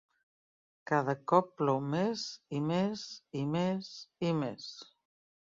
Cada cop plou més i més i més i més.